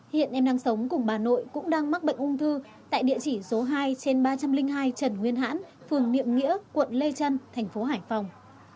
hiện em đang sống cùng bà nội cũng đang mắc bệnh ung thư tại địa chỉ số hai trên ba trăm linh hai trần nguyên hãn phường niệm nghĩa quận lê trân thành phố hải phòng